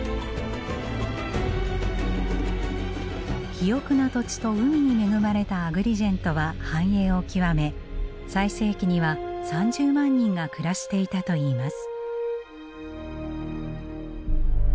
肥沃な土地と海に恵まれたアグリジェントは繁栄を極め最盛期には３０万人が暮らしていたといいます。